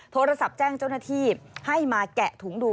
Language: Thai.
โทรศัพท์แจ้งเจ้าหน้าที่ให้มาแกะถุงดู